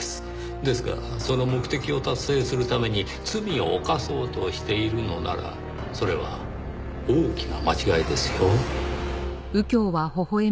ですがその目的を達成するために罪を犯そうとしているのならそれは大きな間違いですよ。